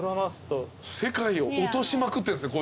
世界を落としまくってるんすね